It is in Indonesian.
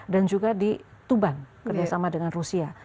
dan juga di tubang kerjasama dengan rusia